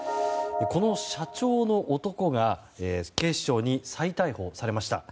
この社長の男が警視庁に再逮捕されました。